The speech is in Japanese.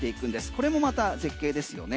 これもまた絶景ですよね。